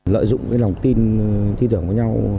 lợi dụng lòng tin thi tưởng với nhau